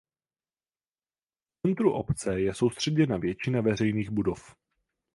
V centru obce je soustředěna většina veřejných budov.